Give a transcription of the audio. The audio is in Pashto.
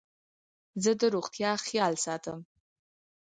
زه د روغتیا خیال ساتم.